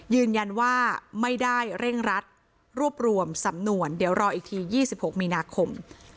ยืนยันว่าไม่ได้เร่งรัดรวบรวมสำนวนเดี๋ยวรออีกที๒๖มีนาคม